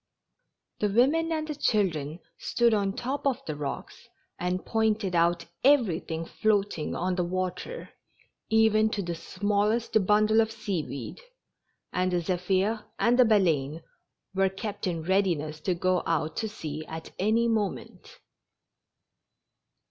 The women and chil dren stood on the tops of the rocks and pointed out everything floating on the water, even to the smallest bundle of sea weed, and the Zephir and the Baleine were kept in readiness to go out to sea at any moment.